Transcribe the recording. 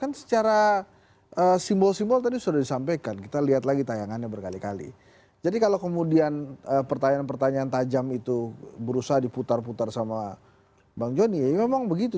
kan secara simbol simbol tadi sudah disampaikan kita lihat lagi tayangannya berkali kali jadi kalau kemudian pertanyaan pertanyaan tajam itu berusaha diputar putar sama bang joni ya memang begitu